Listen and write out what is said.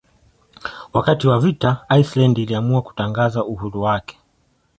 Wakati wa vita Iceland iliamua kutangaza uhuru wake.